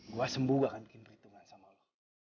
gue sembuh bakal bikin perhitungan sama lo